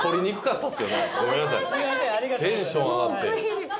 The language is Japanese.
テンション上がって。